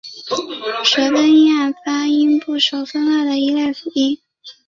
舌根音是按发音部位分类的一类辅音。